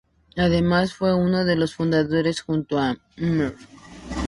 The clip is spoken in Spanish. Además fue uno de los fundadores junto a Mr.